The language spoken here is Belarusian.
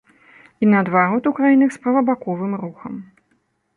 І наадварот у краінах з правабаковым рухам.